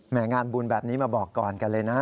งานบุญแบบนี้มาบอกก่อนกันเลยนะ